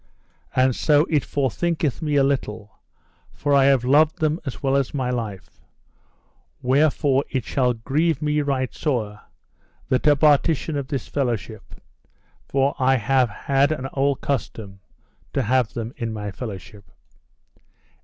And so it forthinketh me a little, for I have loved them as well as my life, wherefore it shall grieve me right sore, the departition of this fellowship: for I have had an old custom to have them in my fellowship.